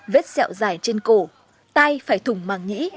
vết xẹo dài trên cổ tay phải thủng màng nhĩ